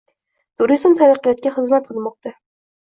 Turizm taraqqiyotga xizmat qilmoqda